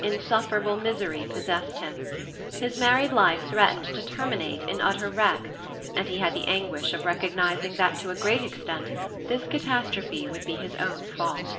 Insufferable misery possessed him. His married life threatened to terminate in utter wreck, and he had the anguish of recognizing that to a great extent this catastrophe would be his own fault.